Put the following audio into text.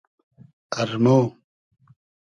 ارمۉ